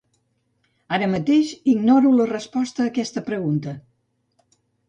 Ara mateix ignoro la resposta a aquesta pregunta.